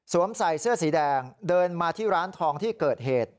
ใส่เสื้อสีแดงเดินมาที่ร้านทองที่เกิดเหตุ